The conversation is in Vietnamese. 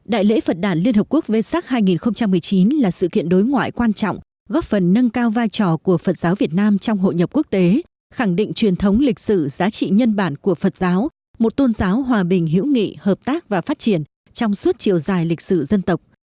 đại lễ phật đàn liên hợp quốc vơ sắc hai nghìn một mươi chín là sự kiện đối ngoại quan trọng góp phần nâng cao vai trò của phật giáo việt nam trong hội nhập quốc tế khẳng định truyền thống lịch sử giá trị nhân bản của phật giáo một tôn giáo hòa bình hữu nghị hợp tác và phát triển trong suốt chiều dài lịch sử dân tộc